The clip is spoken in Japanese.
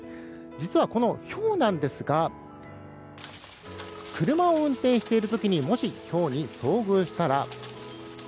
実は、ひょうなんですが車を運転している時にもし、ひょうに遭遇したら。